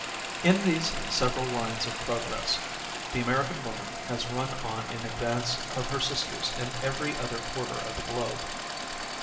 In these several lines of progress the American woman has run on in advance of her sisters in every other quarter of the globe.